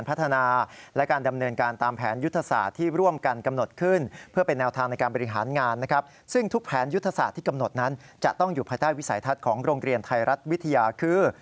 ภายใต้วิสัยทัศน์ของโรงเรียนไทยรัฐวิทยาคือ